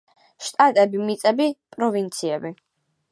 შტატები, მიწები, პროვინციები.